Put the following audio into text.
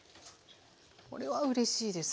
これはうれしいです。